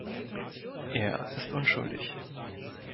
Er ist unschuldig.